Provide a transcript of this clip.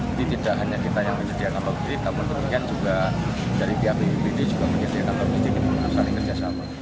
jadi tidak hanya kita yang menyediakan pembuktikan tapi juga dari pihak bwbd juga menyediakan pembuktikan